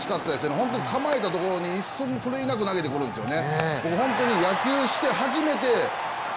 本当に構えたところに一寸の狂いなく投げてくるんですよね。